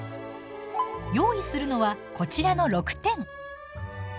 用意するのはこちらの６点。